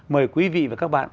mời quý vị và các bạn